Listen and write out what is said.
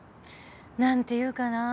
何ていうかな。